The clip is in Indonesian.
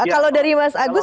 kalau dari mas agus